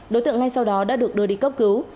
đối tượng ngay sau đó đã được đưa đi cấp cứu